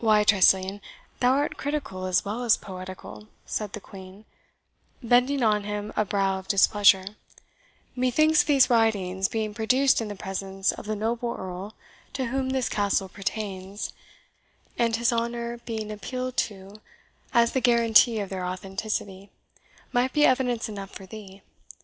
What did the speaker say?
"Why, Tressilian, thou art critical as well as poetical," said the Queen, bending on him a brow of displeasure; "methinks these writings, being produced in the presence of the noble Earl to whom this Castle pertains, and his honour being appealed to as the guarantee of their authenticity, might be evidence enough for thee.